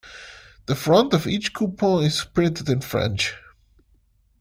The front of each coupon is printed in French.